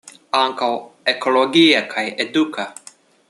Ankaŭ ekologia kaj eduka.